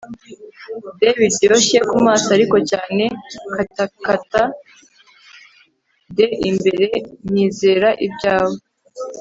de biryoshye kumaso ariko cyane katakata de imbere. nyizera ibyawe